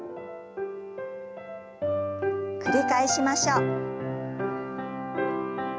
繰り返しましょう。